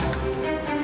ya allah gimana ini